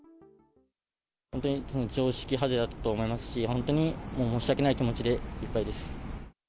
本当に常識外れだったと思いますし、本当に申し訳ない気持ちでいっぱいです。